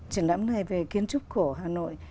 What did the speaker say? triển lãm này về kiến trúc cổ hà nội